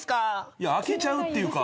いや空けちゃうっていうか。